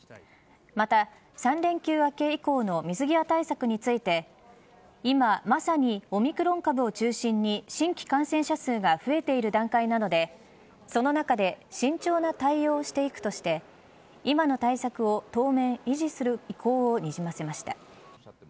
また、３連休明け以降の水際対策について今、まさにオミクロン株を中心に新規感染者数が増えている段階なのでその中で慎重な対応をしていくとして今の対策を当面、維持する意向をにじませました。